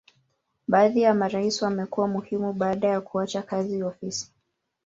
Baadhi ya marais wamekuwa muhimu baada ya kuacha kazi ofisi.